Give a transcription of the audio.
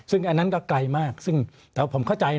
ซึ่งอันนั้นก็ไกลมากซึ่งแต่ผมเข้าใจ